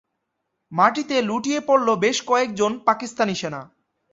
মাটিতে লুটিয়ে পড়ল বেশ কয়েকজন পাকিস্তানি সেনা।